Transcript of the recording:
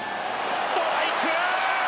ストライク！